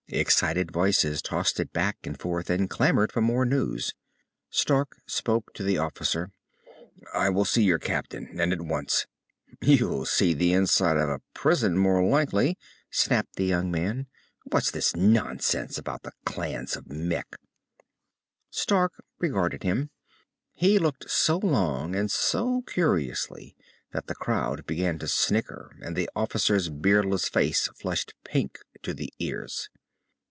Excited voices tossed it back and forth, and clamored for more news. Stark spoke to the officer. "I will see your captain, and at once." "You'll see the inside of a prison, more likely!" snapped the young man. "What's this nonsense about the clans of Mekh?" Stark regarded him. He looked so long and so curiously that the crowd began to snicker and the officer's beardless face flushed pink to the ears.